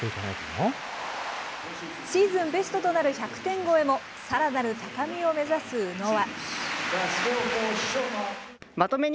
シーズンベストとなる１００点超えも、さらなる高みを目指す宇野は。